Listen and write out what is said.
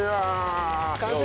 完成！